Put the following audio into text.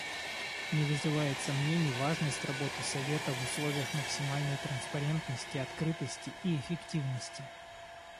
Не вызывает сомнений важность работы Совета в условиях максимальной транспарентности, открытости и эффективности.